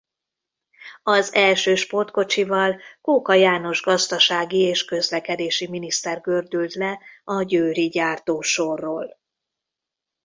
Az első sportkocsival Kóka János gazdasági és közlekedési miniszter gördült le a győri gyártósorról.